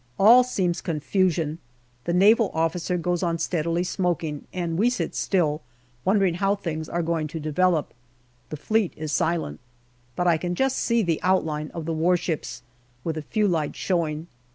All seems con fusion. The Naval officer goes on steadily smoking, and we sit still, wondering how things are going to develop. The Fleet is silent. But I can just see the outline of the warships, with a few lights showing.